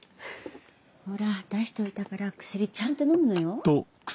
ほら出しといたから薬ちゃんと飲むのよ。